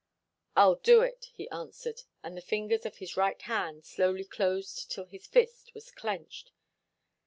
"I'll do it," he answered, and the fingers of his right hand slowly closed till his fist was clenched.